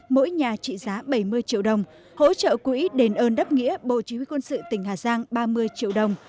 mỗi nhà trị giá bảy mươi triệu đồng hỗ trợ quỹ đền ơn đáp nghĩa bộ chí huy quân sự tỉnh hà giang ba mươi triệu đồng